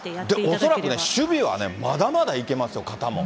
恐らく守備はね、まだまだいけますよ、肩も。